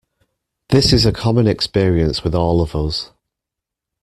This is a common experience with all of us.